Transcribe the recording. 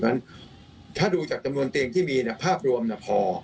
เพราะฉะนั้นถ้าดูจากจำนวนเตียงที่มีภาพรวมพอ